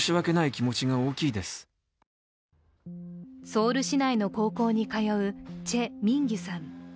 ソウル市内の高校に通うチェ・ミンギュさん。